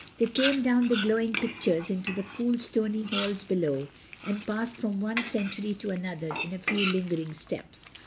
They came down from the glowing pictures into the cool, stony halls below, and passed from one century to another with a few lingering steps.